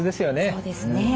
そうですね。